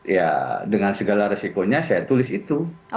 ya dengan segala resikonya saya tulis itu